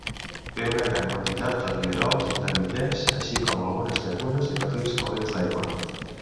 Té una gran quantitat de rierols intermitents, així com algunes llacunes i petits corrents d'aigua.